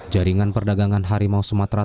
jaringan perdagangan harimau sumatera